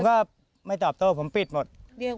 ไม่อยากให้มองแบบนั้นจบดราม่าสักทีได้ไหม